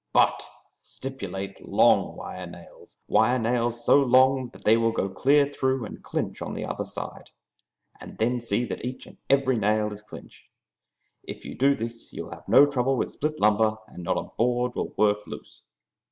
But stipulate long wire nails; wire nails so long that they will go clear through and clinch on the other side, and then see that each and every nail is clinched. If you do this you will have no trouble with split lumber and not a board will work loose."